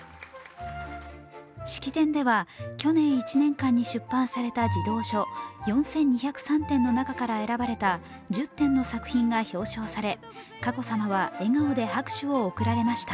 式典では去年１年間に出版された児童書４２０３点の中から選ばれた１０点の作品が表彰され、佳子さまは笑顔で拍手を送られました。